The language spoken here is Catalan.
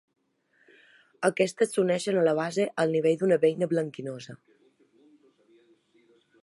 Aquestes s'uneixen a la base al nivell d'una beina blanquinosa.